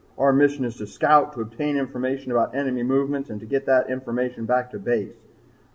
'Our mission is to scout, to obtain information about enemy movements and get that information back to Base.